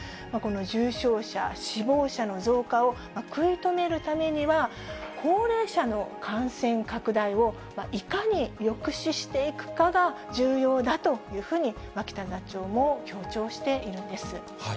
この重症者、死亡者の増加を食い止めるためには、高齢者の感染拡大をいかに抑止していくかが重要だというふうに脇田座長も強調しているんです。